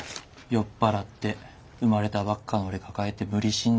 酔っ払って生まれたばっかの俺抱えて無理心中。